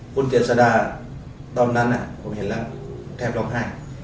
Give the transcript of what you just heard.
คุณเจษดาตอนนั้นผมเห็นแล้วแทบร้องไห้